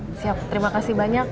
siap siap terima kasih banyak